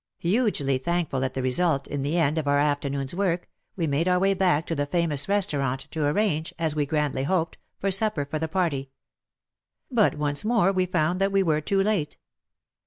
Hugely thankful at the result, in the end, of our afternoon's work, we made our way back to the famous restaurant to arrange, as we grandly hoped, for supper for the party. But once more we found that we were too late.